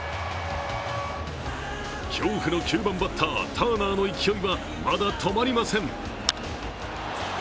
恐怖の９番バッター・ターナーの勢いはまだ止まりません。